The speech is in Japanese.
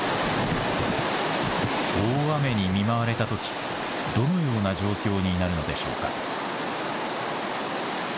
大雨に見舞われたときどのような状況になるのでしょうか。